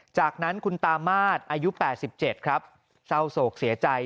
จากนั้นคุณตามาศอายุ๘๗ครับเศร้าโศกเสียใจ